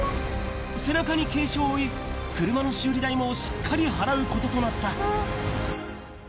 背中に軽傷を負い、車の修理代もしっかり払うこととなった。